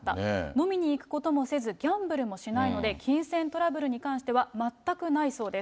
飲みに行くこともせず、ギャンブルもしないので、金銭トラブルに関しては全くないそうです。